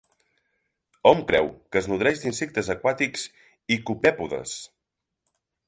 Hom creu que es nodreix d'insectes aquàtics i copèpodes.